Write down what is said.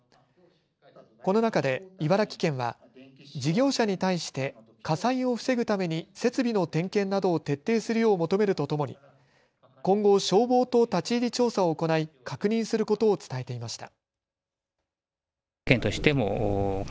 この中で茨城県は事業者に対して火災を防ぐために設備の点検などを徹底するよう求めるとともに今後、消防と立ち入り調査を行い確認することを伝えていました。